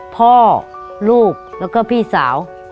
พ่อลูกแล้วก็พี่สาว